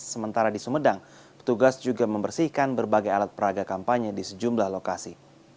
sementara di sumedang petugas juga membersihkan berbagai alat peraga kampanye di sejumlah lokasi